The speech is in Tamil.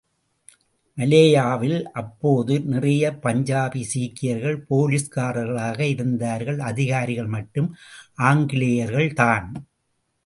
மலேயாவில் அப்போது நிறைய பஞ்சாபி சீக்கியர்கள் போலீஸ்காரர்களாக இருந்தார்கள், அதிகாரிகள் மட்டும் ஆங்கிலேயர்கள்தான்.